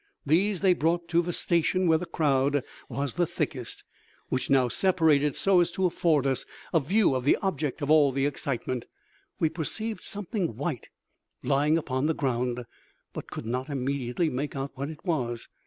These they brought to the station where the crowd was the thickest, which now separated so as to afford us a view of the object of all this excitement. We perceived something white lying upon the ground, but could not immediately make out what it was.